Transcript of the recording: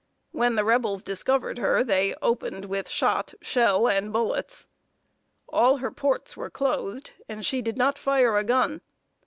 When the Rebels discovered her, they opened with shot, shell, and bullets. All her ports were closed, and she did not fire a gun.